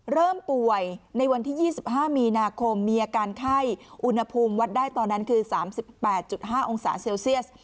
เริ่มป่วยในวันที่๒๕มีนาคมมีอาการไข้อุณหภูมิวัดได้ตอนนั้นคือ๓๘๕องศาเซลเซียส